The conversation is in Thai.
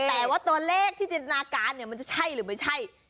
แต่ว่าตัวเลขที่จินตนาการเนี่ยมันจะใช่หรือไม่ใช่